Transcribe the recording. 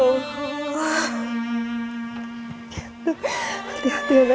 astaghfirullahaladzi ya allah